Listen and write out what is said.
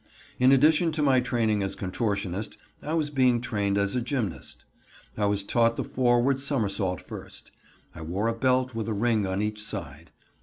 In addition to my training as contortionist I was being trained as gymnast. I was taught the forward somersault first. I wore a belt with a ring on each side.